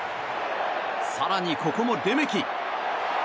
更に、ここもレメキ！